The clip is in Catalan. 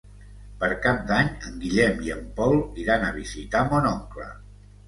Per Cap d'Any en Guillem i en Pol iran a visitar mon oncle.